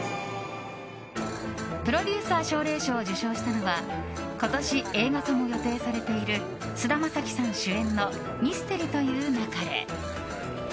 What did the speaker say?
プロデューサー奨励賞を受賞したのは今年、映画化も予定されている菅田将暉さん主演の「ミステリと言う勿れ」。